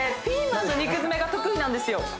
ピーマンの肉詰めが得意なんですよ